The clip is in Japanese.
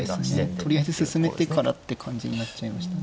とりあえず進めてからって感じになっちゃいましたね。